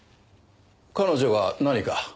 彼女が何か？